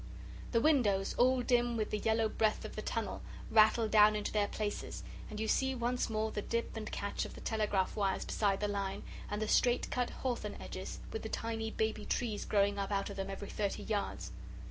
The windows, all dim with the yellow breath of the tunnel, rattle down into their places, and you see once more the dip and catch of the telegraph wires beside the line, and the straight cut hawthorn hedges with the tiny baby trees growing up out of them every thirty yards.